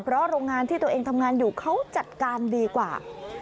เพราะโรงงานที่ตัวเองทำงานอยู่เขาจัดการดีกว่า